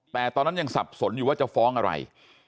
แต่ตอนนั้นยังสับสนอยู่ว่าจะฟ้องอะไร